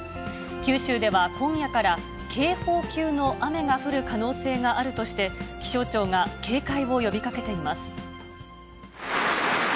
九州では今夜から、警報級の雨が降る可能性があるとして、気象庁が警戒を呼びかけています。